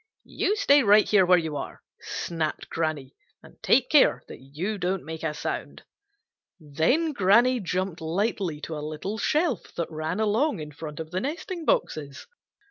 "You stay right here where you are," snapped Granny, "and take care that you don't make a sound." Then Granny jumped lightly to a little shelf that ran along in front of the nesting boxes.